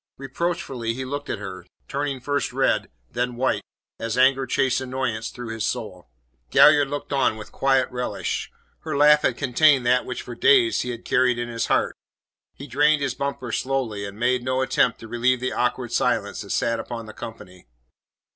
Reproachfully he looked at her, turning first red, then white, as anger chased annoyance through his soul. Galliard looked on with quiet relish; her laugh had contained that which for days he had carried in his heart. He drained his bumper slowly, and made no attempt to relieve the awkward silence that sat upon the company.